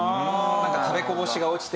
なんか食べこぼしが落ちてて。